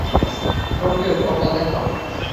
ড্রপিয়র, পথটা দেখাও!